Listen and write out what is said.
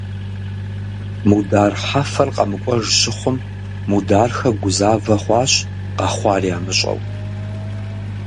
Мудар Хьэфэр къэмыкӀуэж щыхъум Мудархэ гузавэ хъуащ къэхъуар ямыщӀэу.